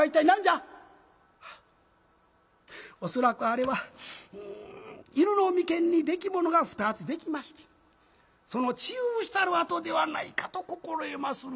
「恐らくあれは犬の眉間にできものが２つできましてその治癒したる痕ではないかと心得まする」。